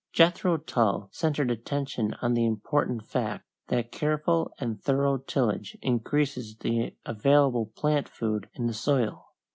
Jethro Tull centered attention on the important fact that careful and thorough tillage increases the available plant food in the soil.